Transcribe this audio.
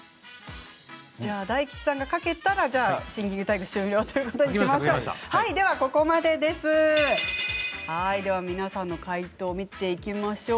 大吉さんが書けたらシンキングタイム終了ということにしましょう。